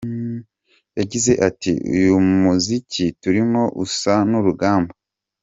Yagize ati: “Uyu muziki turimo usa n’urugamba.